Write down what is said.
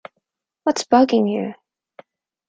What’s bugging you?